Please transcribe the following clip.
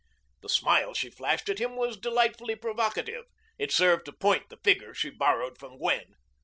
The smile she flashed at him was delightfully provocative. It served to point the figure she borrowed from Gwen.